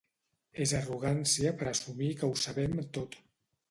És arrogància per assumir que ho sabem tot.